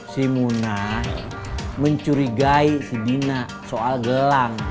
si muna mencurigai si dina soal gelang